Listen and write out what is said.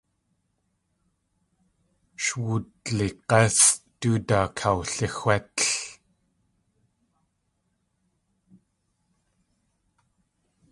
Sh wudlig̲ásʼ du daa kawlixwétl.